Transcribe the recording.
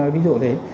ví dụ thế